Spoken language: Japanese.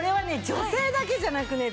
女性だけじゃなくね